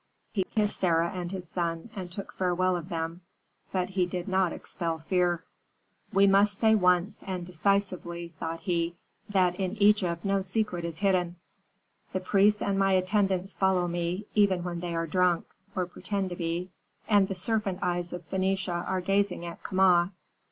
He kissed Sarah and his son, and took farewell of them; but he did not expel fear. "We must say once, and decisively," thought he, "that in Egypt no secret is hidden. The priests and my attendants follow me, even when they are drunk, or pretend to be, and the serpent eyes of Phœnicia are gazing at Kama.